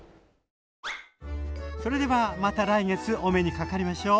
それではまた来月お目にかかりましょう。